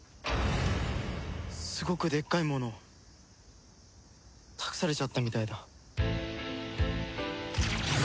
すごくでっかいもの託されちゃったみたいだ。